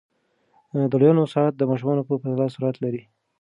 د لویانو ساعت د ماشومانو په پرتله سرعت لري.